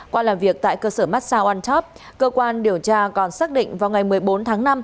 qua làm việc tại cơ sở mát xa onetop cơ quan điều tra còn xác định vào ngày một mươi bốn tháng năm